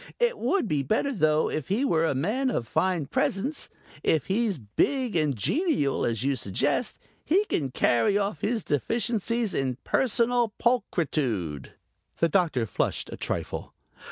It would be better though if he were a man of fine presence. If he's big and genial, as you suggest, he can carry off his deficiencies in personal pulchritude." The Doctor flushed a trifle.